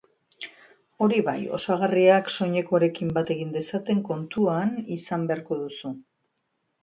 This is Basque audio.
Hori bai, osagarriak soinekoarekin bat egin dezaten kontuan izan beharko duzu.